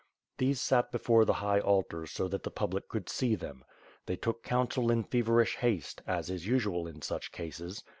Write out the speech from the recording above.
These sat before the high altar so that the public could see them. They took council in feverish haste, as is usual in such cases.